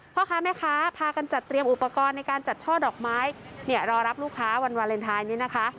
พ่อค้าแม่ค้าพากันจัดเตรียมอุปกรณ์ในการจัดช่อดอกไม้เนี่ยรอรับลูกค้าวันวาเลนไทยนี้นะคะ